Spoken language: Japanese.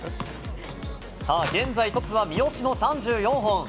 現在、トップは三好の３４本。